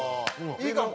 いいかも。